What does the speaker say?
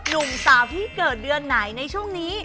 หนุ่มสาวที่เกิดเดือนไหนในช่วงนี้